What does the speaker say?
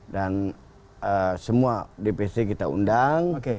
dan semua dpc kita undang